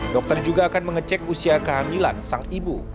dokter juga akan mengecek usia kehamilan sang ibu